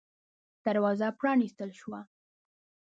دروازه پًرانيستل شوه.